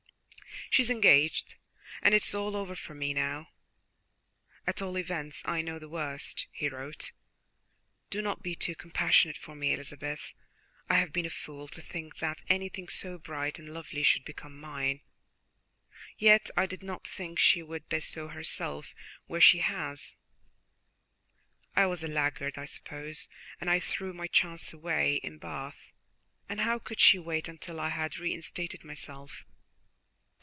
"She is engaged, and it is all over for me now. At all events, I know the worst," he wrote. "Do not be too compassionate for me, Elizabeth. I have been a fool, to think that anything so bright and lovely should become mine. Yet I did not think she would bestow herself where she has. I was a laggard, I suppose, and I threw my chance away in Bath; and how could she wait until I had reinstated myself?